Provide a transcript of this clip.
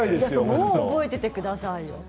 もう覚えておいてくださいよ。